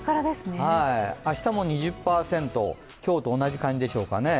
明日も２０％、今日と同じ感じでしょうかね。